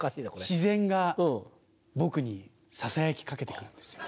自然が僕にささやきかけて来るんですよ。